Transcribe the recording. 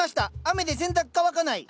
雨で洗濯乾かない。